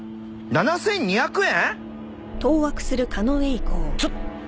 ７，２００円？